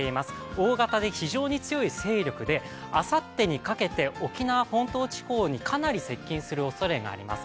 大型で非常に強い勢力で、あさってにかけて沖縄本島地方にかなり接近するおそれがあります。